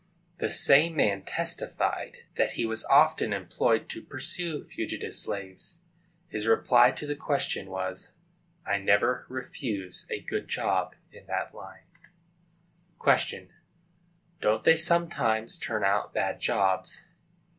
[The same man testified that he was often employed to pursue fugitive slaves. His reply to the question was, "I never refuse a good job in that line."] Q. Don't they sometimes turn out bad jobs?